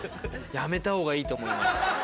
やめたほうがいいと思います。